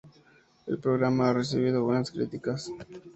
El programa ha recibido buenas críticas.